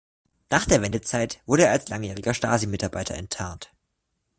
Nach der Wendezeit wurde er als langjähriger Stasi-Mitarbeiter enttarnt.